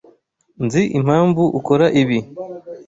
Nzi impamvu ukora ibi.